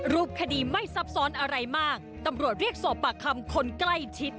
รูปคดีไม่ซับซ้อนอะไรมากตำรวจเรียกสอบปากคำคนใกล้ชิด